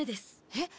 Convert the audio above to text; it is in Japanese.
えっ？